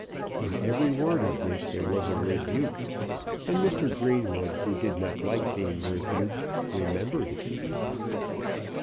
In every word of this there was a rebuke; and Mr. Greenwood, who did not like being rebuked, remembered it.